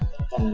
bản thân dân tộc